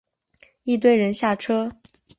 一堆人下车